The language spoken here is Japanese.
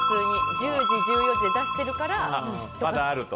１０時、１４時に出しているからだと。